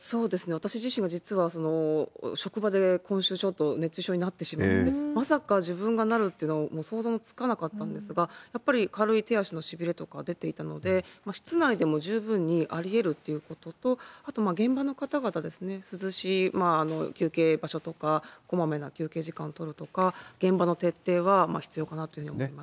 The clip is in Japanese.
私自身が実は職場で、今週ちょっと熱中症になってしまって、まさか自分がなるっていうのは想像もつかなかったんですが、やっぱり軽い手足のしびれとか出ていたので、室内でも十分にありえるっていうことと、あと、現場の方々ですね、涼しい休憩場所とか、こまめな休憩時間を取るとか、現場の徹底は必要かなというふうに思います。